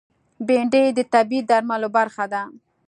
بېنډۍ د طبعي درملو برخه ده